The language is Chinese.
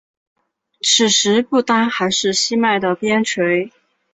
此时不丹还是西藏的边陲。